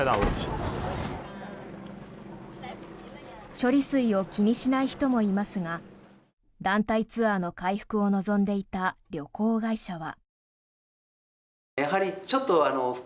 処理水を気にしない人もいますが団体ツアーの回復を望んでいた旅行会社は。